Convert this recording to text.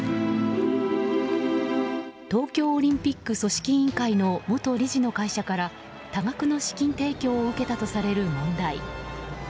東京オリンピック組織委員会の元理事の会社から多額の資金提供を受けたとされる問題。